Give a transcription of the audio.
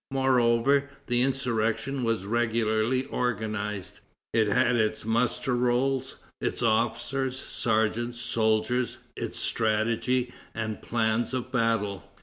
Moreover, the insurrection was regularly organized. It had its muster rolls, its officers, sergeants, soldiers; its strategy and plans of battle.